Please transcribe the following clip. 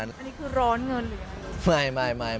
อันนี้คือร้อนเงินหรือยัง